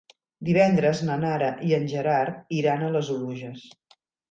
Divendres na Nara i en Gerard iran a les Oluges.